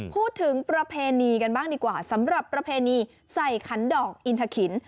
ประเพณีกันบ้างดีกว่าสำหรับประเพณีใส่ขันดอกอินทะขิน